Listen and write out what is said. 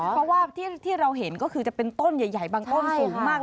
เพราะว่าที่เราเห็นก็คือจะเป็นต้นใหญ่บางต้นสูงมาก